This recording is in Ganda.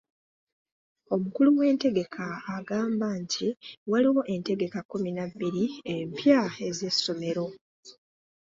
Omukulu w'entegeka agamba nti waliwo entegeka kkumi na bbiri empya ez'essomero.